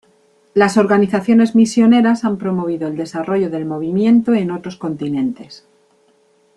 Las organizaciones misioneras han promovido el desarrollo del movimiento en otros continentes.